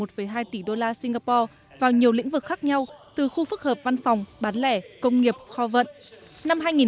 một hai tỷ đô la singapore vào nhiều lĩnh vực khác nhau từ khu phức hợp văn phòng bán lẻ công nghiệp kho vận